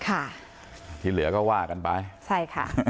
อ้าวทีเหลือก็ว่ากันไป